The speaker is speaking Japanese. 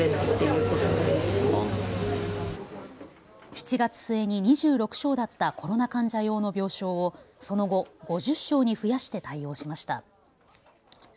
７月末に２６床だったコロナ患者用の病床をその後、５０床に増やして対応しました。